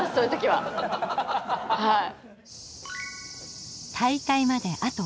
はい。